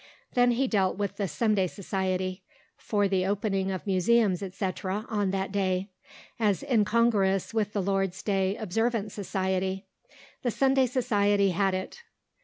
Then he dealt with the Sunday Society (for the opening of museums, etc., on that day) as incongruous with the Lord's Day Observance Society; the Sunday Society had it.